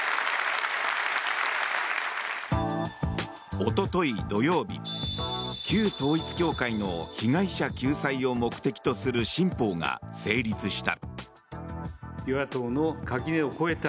おととい、土曜日旧統一教会の被害者救済を目的とする新法が成立した。